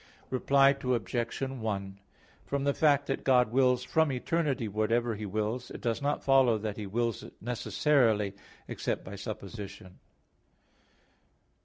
Reply Obj. 1: From the fact that God wills from eternity whatever He wills, it does not follow that He wills it necessarily; except by supposition.